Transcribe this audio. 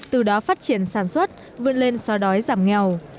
từ đó phát triển sản xuất vươn lên xóa đói giảm nghèo